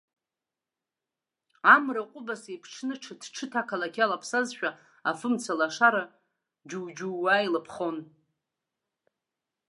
Амра ҟәыбаса иԥҽны ҽыҭ-ҽыҭ ақалақь иалаԥсазшәа, афымцалашара џьуџьуа еилыԥхон.